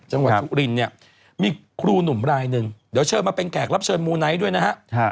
จังหวัดสุรินเนี่ยมีครูหนุ่มรายหนึ่งเดี๋ยวเชิญมาเป็นแขกรับเชิญมูไนท์ด้วยนะฮะ